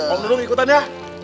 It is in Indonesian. iya om nung ikutan ya